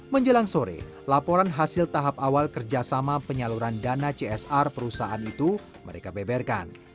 menjelang sore laporan hasil tahap awal kerjasama penyaluran dana csr perusahaan itu mereka beberkan